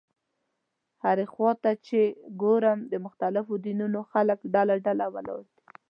هرې خوا ته چې ګورم د مختلفو دینونو خلک ډله ډله ولاړ دي.